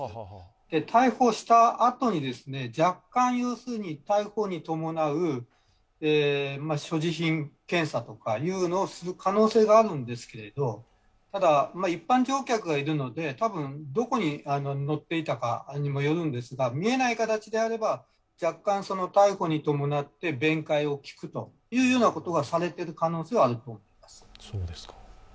逮捕したあとに若干、要するに逮捕に伴う所持品検査とかをする可能性はあるんですけど、ただ、一般乗客がいるので、どこに乗っていたかにもよるんですけど、見えない形であれば若干、逮捕に伴って弁解を聞くということはされている可能性はあると思います。